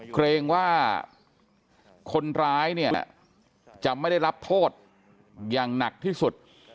เกรงว่าคนร้ายเนี่ยจะไม่ได้รับโทษอย่างหนักที่สุด